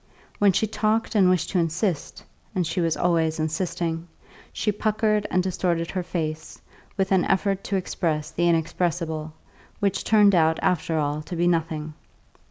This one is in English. When she talked and wished to insist, and she was always insisting, she puckered and distorted her face, with an effort to express the inexpressible, which turned out, after all, to be nothing.